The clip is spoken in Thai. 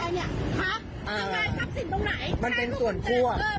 ทำรายครับสิ่งตรงไหนมันเป็นส่วนพวก